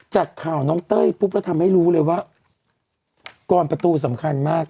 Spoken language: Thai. จากข่าวน้องเต้ยปุ๊บแล้วทำให้รู้เลยว่ากรประตูสำคัญมาก